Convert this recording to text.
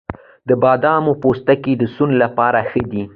د بادامو پوستکی د سون لپاره ښه دی؟